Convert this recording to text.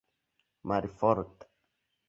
malforta